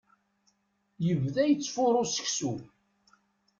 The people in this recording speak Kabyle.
Yebda yettfuṛu seksu.